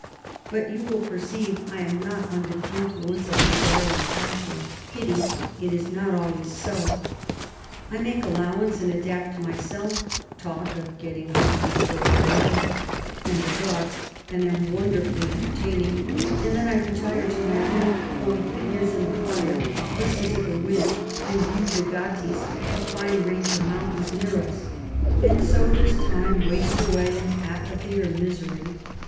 But you will perceive I am not under the influence of my darling passion — ^pity ; it is not always so. I make allowance and adapt myself, talk of getting husbands for the ladies — and the dogSf and am wonderfully entertaining ; and then I retire to my room,, form figures in the fire, listen to the wind, or view the Gotties, a fine range of mountains near us, and so does time waste away in apathy or misery.